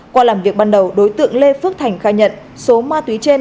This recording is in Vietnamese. qua làm việc ban đầu đối tượng lê phước thành khai nhận số ma túy trên